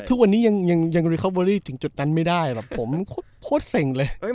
ทุกวันนี้ยังรีคอบเวอรี่ถึงจุดนั้นไม่ได้โคตรเศร้งเลย